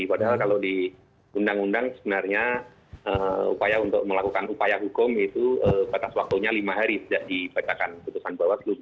padahal kalau di undang undang sebenarnya upaya untuk melakukan upaya hukum itu batas waktunya lima hari sejak dibacakan putusan bawaslu